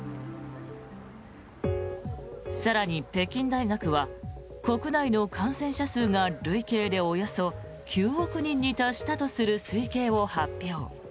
更に、北京大学は国内の感染者数が累計でおよそ９億人に達したとする推計を発表。